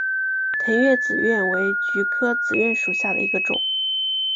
腾越紫菀为菊科紫菀属下的一个种。